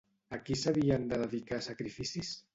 A qui s'havien de dedicar sacrificis?